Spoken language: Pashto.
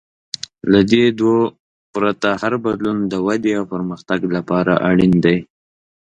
له دې دوو پرته، هر بدلون د ودې او پرمختګ لپاره اړین دی.